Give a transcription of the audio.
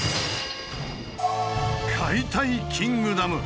「解体キングダム」。